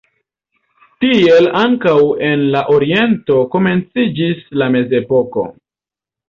Tiel ankaŭ en la oriento komenciĝis la mezepoko.